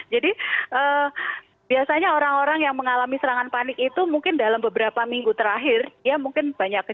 jadi biasanya orang orang yang mengalami serangan panik itu mungkin dalam beberapa minggu terakhir ya mungkin mereka tidak ingat